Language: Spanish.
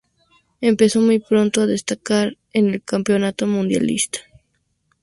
Empezó muy pronto a destacar en el campeonato mundialista.